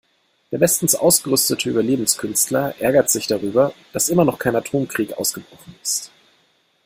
Der bestens ausgerüstete Überlebenskünstler ärgert sich darüber, dass immer noch kein Atomkrieg ausgebrochen ist.